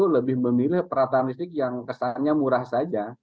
lebih memilih perataan listrik yang kesannya murah saja